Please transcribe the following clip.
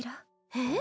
えっ？